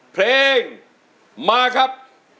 เพลงมาครับ